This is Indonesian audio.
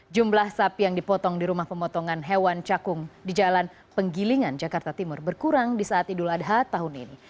jumlah sapi yang dipotong di rumah pemotongan hewan cakung di jalan penggilingan jakarta timur berkurang di saat idul adha tahun ini